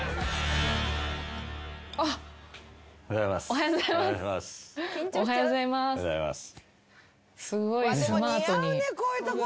おはようございます。